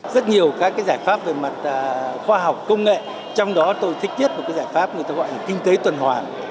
rất nhiều các giải pháp về mặt khoa học công nghệ trong đó tôi thích nhất một giải pháp người ta gọi là kinh tế tuần hoàn